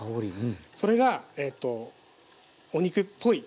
それがえっとお肉っぽい